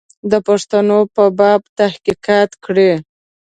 د پښتنو په باب تحقیقات کړي.